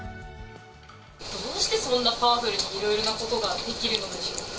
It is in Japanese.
どうしてそんなパワフルにいろいろなことができるのでしょう